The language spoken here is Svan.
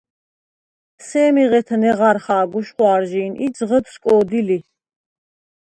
სემი ღეთ ნეღარ ხა̄გ უშხვა̄რჟი̄ნი ი ძღჷდ სკო̄დი ლი.